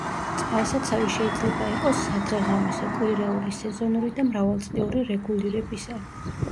წყალსაცავი შეიძლება იყოს სადღეღამისო, კვირეული, სეზონური და მრავალწლიური რეგულირებისა.